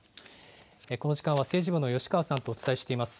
この時間は政治部の吉川さんとお伝えしています。